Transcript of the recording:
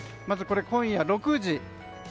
まず今夜６時。